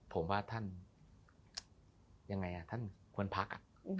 ผมว่าท่านควรพัก